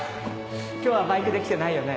今日はバイクで来てないよね？